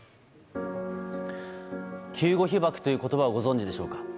救護被爆という言葉をご存じでしょうか。